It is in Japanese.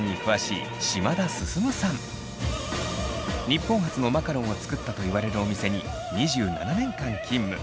日本初のマカロンを作ったといわれるお店に２７年間勤務。